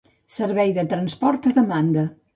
Servei de Transport a Demanda